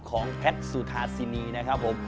ของแพทซูทาซินีนะครับผม